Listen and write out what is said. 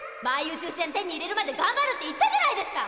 宇宙船手に入れるまでがんばる」って言ったじゃないですか！